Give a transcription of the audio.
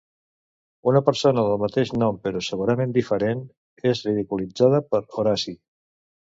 Una persona del mateix nom però segurament diferent, és ridiculitzada per Horaci.